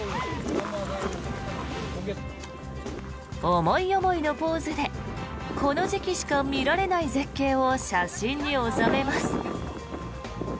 思い思いのポーズでこの時期しか見られない絶景を写真に収めます。